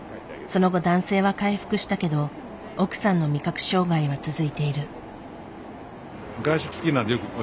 その後男性は回復したけど奥さんの味覚障害は続いている。